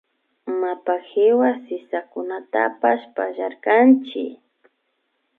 Mapa kiwa sisakunatapash pallarkanchik